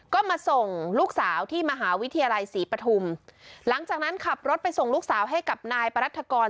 ก็มาส่งลูกสาวที่มหาวิทยาลัยศรีปฐุมหลังจากนั้นขับรถไปส่งลูกสาวให้กับนายปรัฐกร